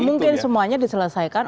gak mungkin semuanya diselesaikan